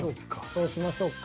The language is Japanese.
そうしましょうか。